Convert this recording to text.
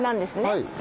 はい。